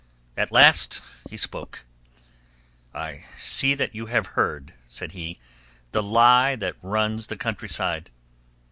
At last he spoke. "I see that you have heard," said he, "the lie that runs the countryside.